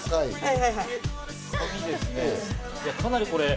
かなりこれ。